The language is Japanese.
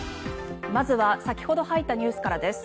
まずは先ほど入ったニュースからです。